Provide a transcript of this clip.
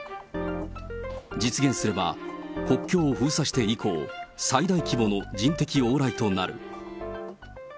実現すれば、国境を封鎖して以降、最大規模の人的往来となる。